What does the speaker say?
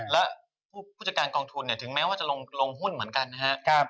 และผู้จัดการกองทุนถึงแม้ว่าจะลงหุ้นเหมือนกันนะครับ